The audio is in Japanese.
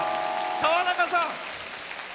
川中さん。